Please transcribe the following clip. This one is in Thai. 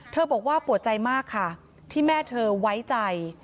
บอกว่าปวดใจมากค่ะที่แม่เธอไว้ใจ